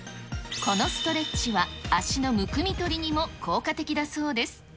このストレッチは足のむくみ取りにも効果的だそうです。